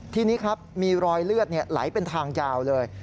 ทีนี้ครับมีรอยเลือดไหลเป็นทางยาวเลย